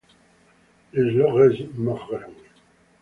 Les Loges-Margueron